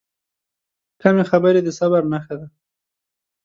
کمې خبرې، د صبر نښه ده.